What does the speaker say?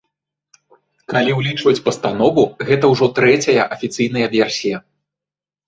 Калі ўлічваць пастанову, гэта ўжо трэцяя афіцыйная версія.